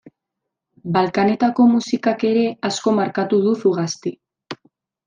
Balkanetako musikak ere asko markatu du Zugasti.